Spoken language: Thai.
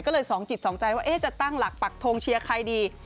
ก็เลยสองจิตสองใจว่าจะตั้งหลักปักทงเชียร์ใครดี